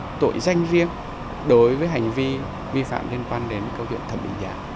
các tội danh riêng đối với hành vi vi phạm liên quan đến câu chuyện thẩm định giá